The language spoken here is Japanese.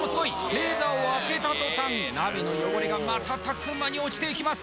レーザーを当てた途端鍋の汚れが瞬く間に落ちていきます